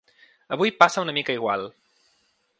Avui passa una mica igual.